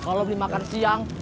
kalo beli makan siang